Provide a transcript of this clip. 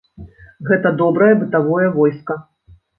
Гэта добрае бытавое войска.